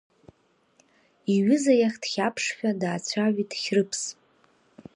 Иҩыза иахь дхьаԥшшәа даацәажәеит Хьрыԥс.